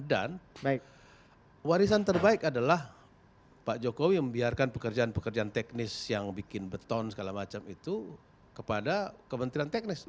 dan warisan terbaik adalah pak jokowi yang membiarkan pekerjaan pekerjaan teknis yang bikin beton segala macam itu kepada kementerian teknis